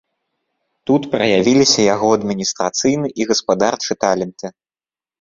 Тут праявіліся яго адміністрацыйны і гаспадарчы таленты.